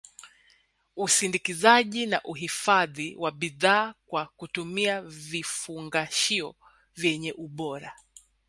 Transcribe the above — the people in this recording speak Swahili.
usindikaji na uhifadhi wa bidhaa kwa kutumia vifungashio vyenye ubora